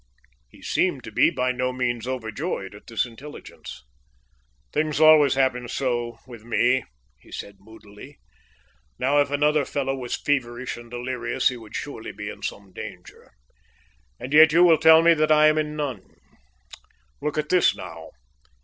He seemed to be by no means overjoyed at the intelligence. "Things always happen so with me," he said moodily. "Now, if another fellow was feverish and delirious he would surely be in some danger, and yet you will tell me that I am in none. Look at this, now."